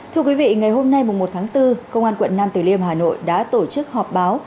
thưa quý vị ngày hôm nay một tháng bốn công an quận nam tử liêm hà nội đã tổ chức họp báo